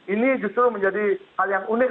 ini justru menjadi hal yang unik